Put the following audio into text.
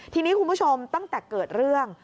ทีนี้คุณผู้ชมตั้งแต่เกิดเรื่อง